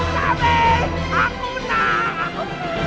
sampai aku tahu